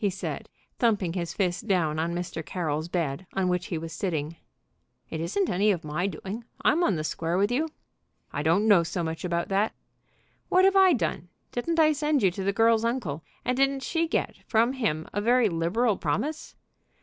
he said, thumping his fist down on Mr. Carroll's bed, on which he was sitting. "It isn't any of my doing. I'm on the square with you." "I don't know so much about that." "What have I done? Didn't I send her to the girl's uncle, and didn't she get from him a very liberal promise?"